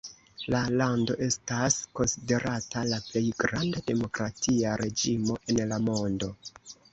La lando estas konsiderata la plej granda demokratia reĝimo en la mondo.